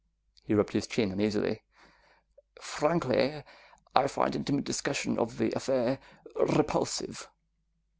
He rubbed his chin uneasily. "Frankly, I find intimate discussion of the affair repulsive.